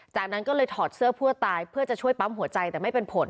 จากนั้นก็เลยถอดเสื้อผู้ตายเพื่อจะช่วยปั๊มหัวใจแต่ไม่เป็นผล